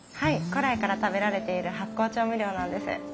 古来から食べられている発酵調味料なんです。